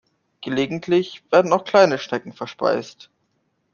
Gelegentlich werden auch kleine Schnecken verspeist.